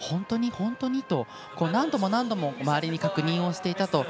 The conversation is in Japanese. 本当に？と何度も周りに確認をしていたと。